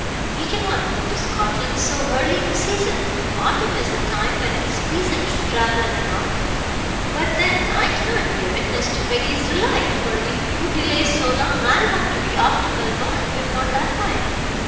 "We cannot go to Scotland so early in the season. Autumn is the time when it is pleasant to travel in the north." "But then I cannot be a witness to Peggy's delight, for if you delay so long I will have to be off to Melbourne before that time.